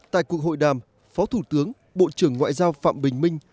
tại cuộc hội đàm phó thủ tướng bộ trưởng ngoại giao phạm bình minh